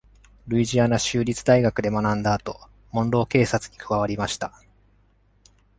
ルイジアナ州立大学で学んだ後、モンロー警察に加わりました。